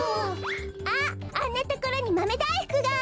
あっあんなところにまめだいふくが！